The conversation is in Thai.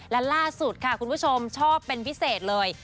และล่าสุดค่ะคุณผู้ชมชอบเป็นพิเศษเลย